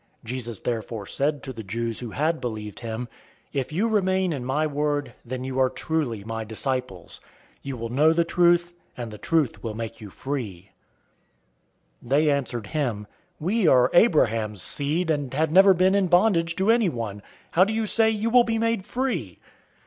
008:031 Jesus therefore said to those Jews who had believed him, "If you remain in my word, then you are truly my disciples. 008:032 You will know the truth, and the truth will make you free."{Psalm 119:45} 008:033 They answered him, "We are Abraham's seed, and have never been in bondage to anyone. How do you say, 'You will be made free?'"